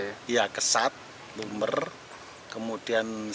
selain mendiakan bibit sawo jumbo perkebunan ini menawarkan mulai bibit durian montong